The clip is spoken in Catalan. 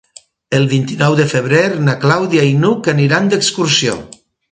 El vint-i-nou de febrer na Clàudia i n'Hug aniran d'excursió.